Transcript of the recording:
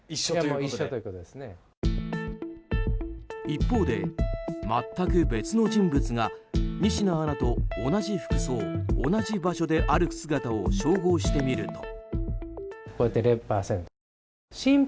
一方で、全く別の人物が仁科アナと同じ服装、同じ場所で歩く姿を照合してみると。